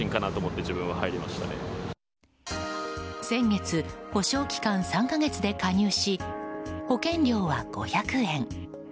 先月、保証期間３か月で加入し保険料は５００円。